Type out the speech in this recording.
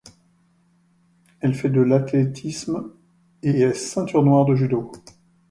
Elle a fait de l'athlétisme et est ceinture noire de judo.